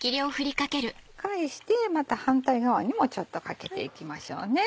返してまた反対側にもちょっとかけていきましょうね。